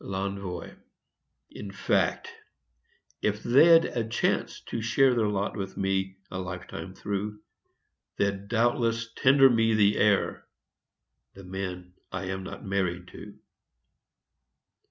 L'ENVOI In fact, if they'd a chance to share Their lot with me, a lifetime through, They'd doubtless tender me the air The men I am not married to.